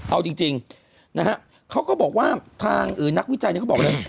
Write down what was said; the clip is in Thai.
เอาจริงเขาก็บอกว่าทางอื่นนักวิจัยก็บอกเลย